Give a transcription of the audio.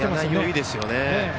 いいですよね。